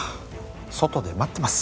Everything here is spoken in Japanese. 外で待ってます。